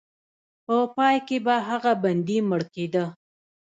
په پای کې به هغه بندي مړ کېده.